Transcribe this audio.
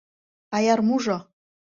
Аярмужо!